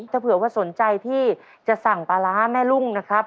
ถ้าเผื่อว่าสนใจที่จะสั่งปลาร้าแม่ลุงนะครับ